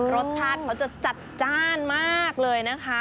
รสชาติเขาจะจัดจ้านมากเลยนะคะ